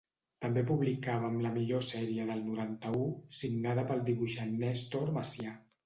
També publicàvem la millor sèrie del noranta-u, signada pel dibuixant Nèstor Macià.